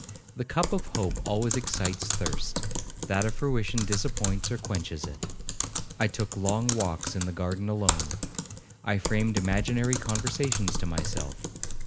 The cup of hope always excites thirst, that of fruition disappoints or quenches it. I took long walks in the garden alone. I framed imaginary conversations to myself.